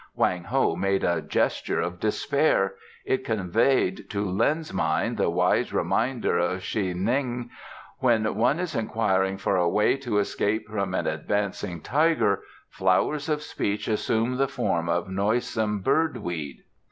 Wang Ho made a gesture of despair. It conveyed to Lin's mind the wise reminder of N'sy hing: "When one is inquiring for a way to escape from an advancing tiger, flowers of speech assume the form of noisome bird weed."